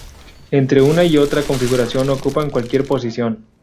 Entre una y otra configuración ocupan cualquier posición.